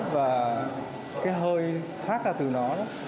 và cái hơi thoát ra từ nó